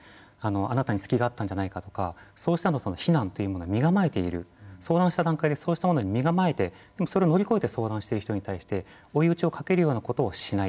あなたに隙があったんじゃないかとかそうした非難というものを身構えている相談した段階でそうしたものに身構えてでもそれを乗り越えて相談している人にとって追い打ちをかけるようなことをしない。